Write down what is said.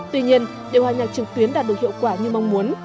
tuy nhiên để hòa nhạc trực tuyến đạt được hiệu quả như mong muốn